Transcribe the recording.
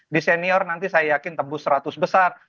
di senior nanti saya yakin tembus seratus besar